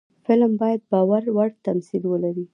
فلم باید باور وړ تمثیل ولري